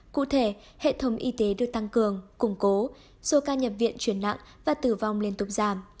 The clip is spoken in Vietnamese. cụ thể hệ thống y tế được tăng cường củng cố số ca nhập viện chuyển nặng và tử vong liên tục giảm